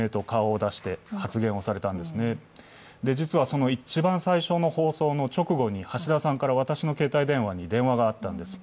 その一番最初の放送の直後に橋田さんから私の携帯電話に電話があったんです。